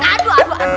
aduh aduh aduh